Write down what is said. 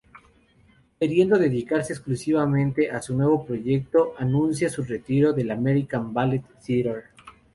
Queriendo dedicarse exclusivamente a su nuevo proyecto, anuncia su retiro del American Ballet Theatre.